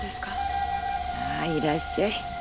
さあいらっしゃい。